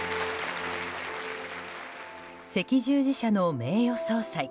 赤十字社の名誉総裁。